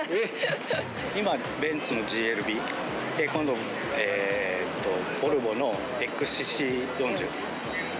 今、ベンツのＧＬＢ。今度、ボルボのＸＣ４０。